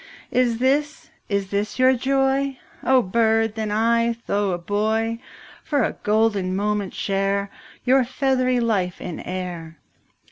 'Is this, is this your joy? O bird, then I, though a boy 10 For a golden moment share Your feathery life in air!